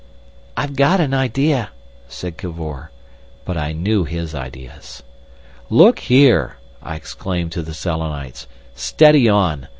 "I've got an idea," said Cavor; but I knew his ideas. "Look here!" I exclaimed to the Selenites. "Steady on!